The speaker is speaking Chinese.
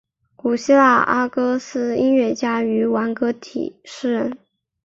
古希腊阿哥斯音乐家与挽歌体诗人。